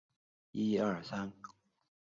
鲁迅曾批评这种做法。